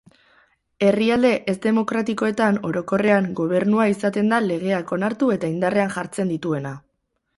Herrialde ez-demokratikoetan, orokorrean, gobernua izaten da legeak onartu eta indarrean jartzen dituena.